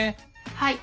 はい。